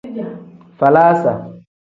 Falaasa.